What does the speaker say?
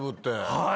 はい！